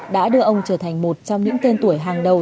đã đưa ông trở thành một trong những tên tuổi hàng đầu